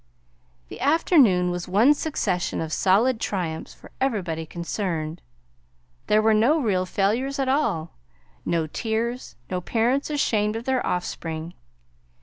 The afternoon was one succession of solid triumphs for everybody concerned. There were no real failures at all, no tears, no parents ashamed of their offspring.